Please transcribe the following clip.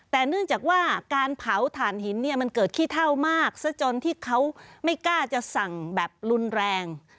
แต่เนื่องจากว่าการเผาถ่านหินเนี่ยมันเกิดขี้เท่ามากซะจนที่เขาไม่กล้าจะสั่งแบบรุนแรง